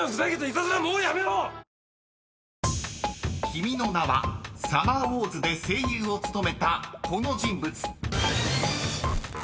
［『君の名は。』『サマーウォーズ』で声優を務めたこの人物］